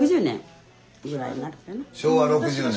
昭和６０年。